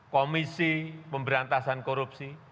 komisi pemberantasan korupsi